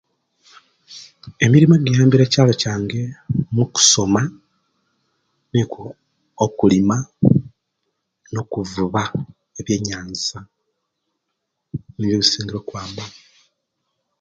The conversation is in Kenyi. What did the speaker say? Emirimu egiyambire ekyalo kyange mukusoma nikwo okulima no kuvuba ebye yanza nibyo ebisinga okwamba